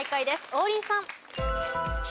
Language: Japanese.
王林さん。